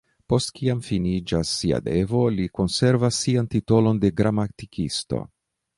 Post kiam, finiĝas sia devo, li konservas sian titolon de "Gramatikisto".